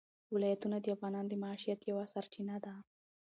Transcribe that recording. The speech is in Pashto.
ولایتونه د افغانانو د معیشت یوه سرچینه ده.